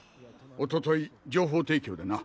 おととい情報提供でな。